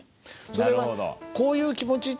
それはこういう気持ちってさ